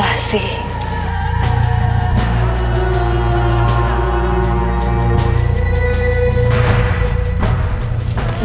malah seperti niat bizim